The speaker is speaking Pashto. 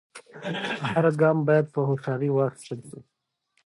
هر ګام باید په هوښیارۍ واخیستل سي.